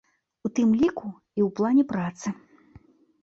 У тым ліку і ў плане працы.